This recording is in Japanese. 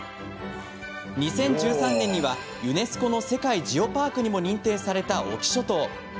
２０１３年にはユネスコの世界ジオパークにも認定された隠岐諸島。